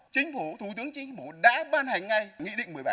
chính phủ thủ tướng chính phủ đã ban hành ngay nghị định một mươi bảy